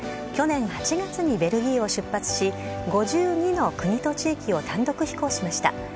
去年８月にベルギーを出発し５２の国と地域を単独飛行しました。